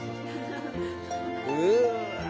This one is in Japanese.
うわ！